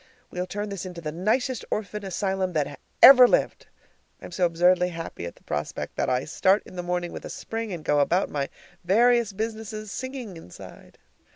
We'll turn this into the nicest orphan asylum that ever lived. I'm so absurdly happy at the prospect that I start in the morning with a spring, and go about my various businesses singing inside.